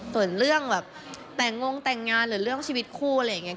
ส่วนเรื่องแบบแต่งงแต่งงานหรือเรื่องชีวิตคู่อะไรอย่างนี้